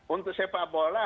untuk sepak bola